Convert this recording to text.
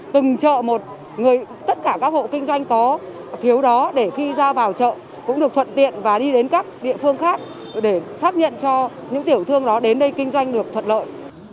từng chợ một tất cả các hộ kinh doanh có phiếu đó để khi ra vào chợ cũng được thuận tiện và đi đến các địa phương khác để xác nhận cho những tiểu thương đó đến đây kinh doanh được thuận lợi